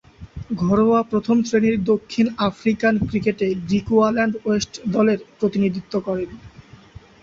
ঘরোয়া প্রথম-শ্রেণীর দক্ষিণ আফ্রিকান ক্রিকেটে গ্রিকুয়াল্যান্ড ওয়েস্ট দলের প্রতিনিধিত্ব করেন।